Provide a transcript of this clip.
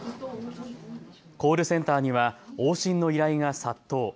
コールセンターには往診の依頼が殺到。